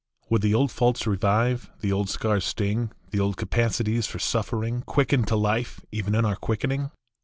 Would the old faults revive, the old scars sting, The old capacities for suffering Quicken to life even in our quickening?